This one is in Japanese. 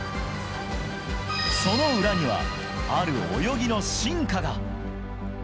その裏には、ある泳ぎの進化が。